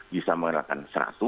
bisa mengenakan seratus